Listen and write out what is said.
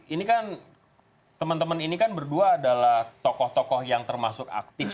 ini kan teman teman ini kan berdua adalah tokoh tokoh yang termasuk aktif